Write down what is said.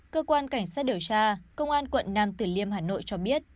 cơ quan cảnh sát điều tra công an quận nam tử liêm hà nội cho biết